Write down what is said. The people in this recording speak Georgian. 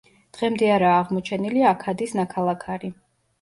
დღემდე არაა აღმოჩენილი აქადის ნაქალაქარი.